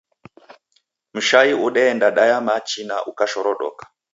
Mshai udeenda daya machi na ukashorodoka.